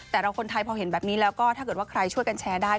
แต่เราคนไทยพอเห็นแบบนี้แล้วก็ถ้าเกิดว่าใครช่วยกันแชร์ได้